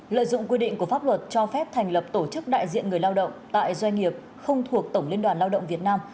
lợi dụng quy định của pháp luật cho phép thành lập tổ chức đại diện người lao động tại doanh nghiệp không thuộc tổng liên đoàn lao động việt nam